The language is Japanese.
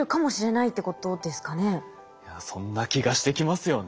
いやそんな気がしてきますよね。